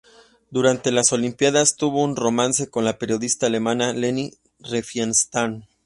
Durante las Olimpiadas, tuvo un romance con la periodista alemana Leni Riefenstahl.